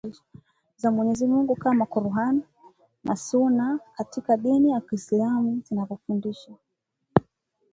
za Mwenyezi Mungu kama Qur’an na Sunnah katika dini ya Kiislamu zinavyofundisha